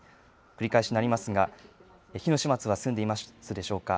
繰り返しになりますが、火の始末は済んでいますでしょうか。